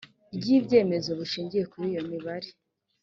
ry ibyemezo bushingiye kuri iyo mibare